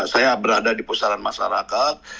saya berada di pusaran masyarakat